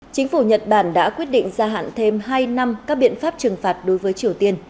chính phủ nhật bản đã quyết định gia hạn thêm hai năm các biện pháp trừng phạt đối với triều tiên